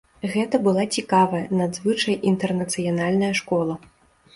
Гэта была цікавая, надзвычай інтэрнацыянальная школа.